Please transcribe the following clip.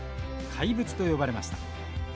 怪物と呼ばれました。